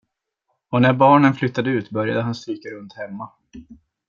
Och när barnen flyttade ut började han stryka runt hemma.